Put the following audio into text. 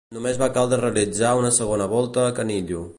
Només va caldre realitzar una segona volta a Canillo.